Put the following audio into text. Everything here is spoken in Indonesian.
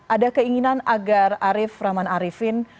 ada keinginan agar arief rahman arifin